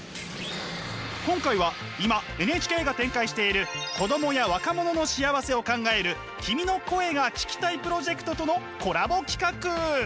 今回は今ＮＨＫが展開している子どもや若者の幸せを考える「君の声が聴きたい」プロジェクトとのコラボ企画！